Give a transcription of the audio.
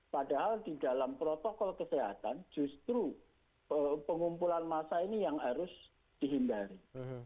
padahal di dalam protokol kesehatan justru pengumpulan massa ini yang harus dihindari